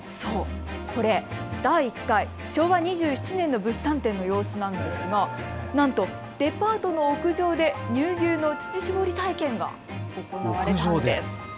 これ第１回、昭和２１年の物産展の様子なんですがなんとデパートの屋上で乳牛の乳搾り体験が行われたんです。